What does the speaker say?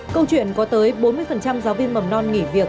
câu chuyện có tới bốn mươi giáo viên mầm non nghỉ việc trong thời gian